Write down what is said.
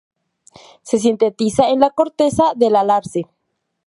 Se sintetiza en la corteza del alerce.